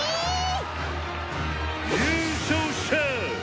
「優勝者！